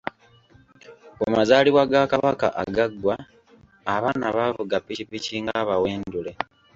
Ku mazaalibwa ga Kabaka agaggwa, abaana baavuga ppikipiki ng'abaweendule.